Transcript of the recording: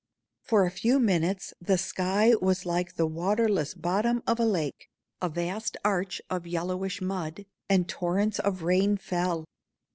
For a few minutes the sky was like the waterless bottom of a lake a vast arch of yellowish mud and torrents of rain fell.